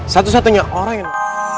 satu satunya orang yang